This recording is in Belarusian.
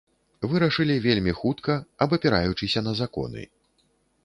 Вырашылі вельмі хутка, абапіраючыся на законы.